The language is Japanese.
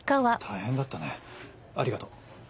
大変だったねありがとう。